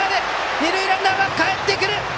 二塁ランナーはかえってくる！